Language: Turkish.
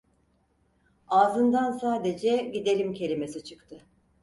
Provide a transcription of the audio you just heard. Ağzından sadece "Gidelim!" kelimesi çıktı.